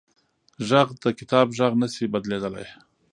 غږ د کتاب غږ نه شي بدلېدلی